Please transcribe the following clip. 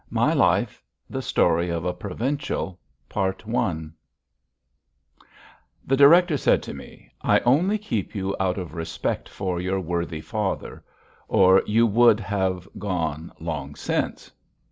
MY LIFE THE STORY OF A PROVINCIAL The director said to me: "I only keep you out of respect for your worthy father, or you would have gone long since."